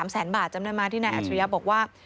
๓แสนบาทจำได้ไหมที่นายอัจฉริยะบอกว่า